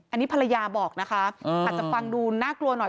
อันนี้ภรรยาบอกนะคะอาจจะฟังดูน่ากลัวหน่อย